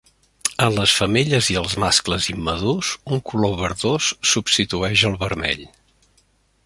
En les femelles i els mascles immadurs, un color verdós substitueix el vermell.